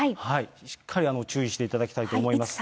しっかり注意していただきたいと思います。